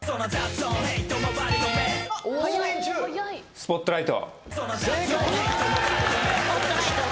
『スポットライト』正解。